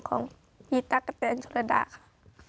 ของยีตรากับแจนจุฬดาค่ะ